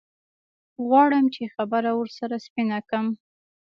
غواړم چې خبره ورسره سپينه کم.